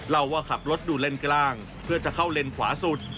เราว่าขับรถอยู่เลนกลางเพื่อจะเข้าเลนขวาสุด